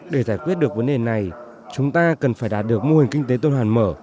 để giải quyết được vấn đề này chúng ta cần phải đạt được mô hình kinh tế tôn hoàn mở